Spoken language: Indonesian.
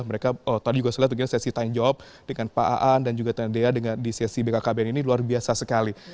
mereka tadi juga saya lihat mungkin sesi time job dengan pak ars dan juga tandia di sesi bkkbn ini luar biasa sekali